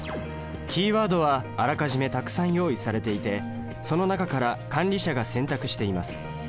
キーワードはあらかじめたくさん用意されていてその中から管理者が選択しています。